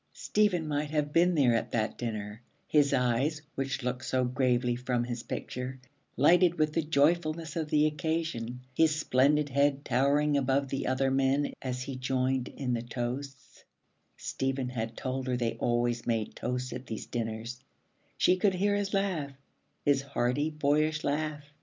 Stephen might have been there at that dinner, his eyes, which looked so gravely from his picture, lighted with the joyfulness of the occasion, his splendid head towering above the other men as he joined in the toasts Stephen had told her they always made toasts at these dinners; she could hear his laugh, his hearty boyish laugh.